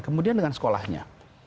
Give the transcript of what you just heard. kemudian dengan sekolahnya